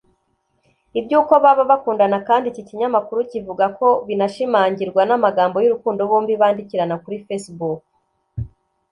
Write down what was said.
Iby’uko baba bakundana kandi iki kinyamakuru kivuga ko binashimangirwa n’amagambo y’urukundo bombi bandikirana kuri facebook